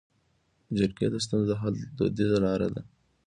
جرګې د ستونزو د حل دودیزه لاره ده